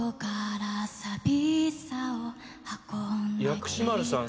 「薬師丸さん